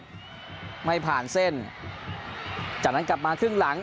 ไม่ผ่านเส้นจากนั้นกลับมาครึ่งหลัง